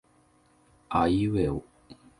aiueo